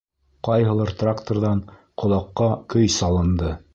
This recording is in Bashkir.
Ҡайһылыр тракторҙан ҡолаҡҡа көй салынды.